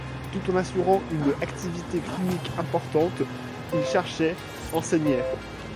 Tout en assurant une activité clinique importante, il cherchait, enseignait.